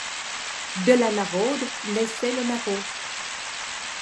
De la maraude naissait le maraud.